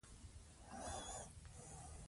ځکه چې دا د زړه له درده راوتلي.